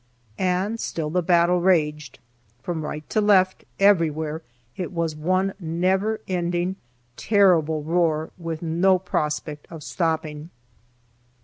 And still the battle raged. From right to left, everywhere, it was one never ending, terrible roar, with no prospect of stopping.